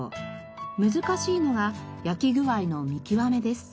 難しいのが焼き具合の見極めです。